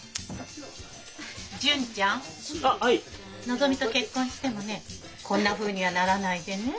のぞみと結婚してもねこんなふうにはならないでね。